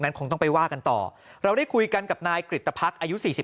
คงต้องไปว่ากันต่อเราได้คุยกันกับนายกริตภักษ์อายุ๔๒